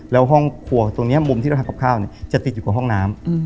แล้วห้องครัวตรงนี้มุมที่เราทำกับข้าวเนี่ยจะติดอยู่กับห้องน้ำ